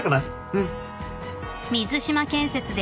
うん。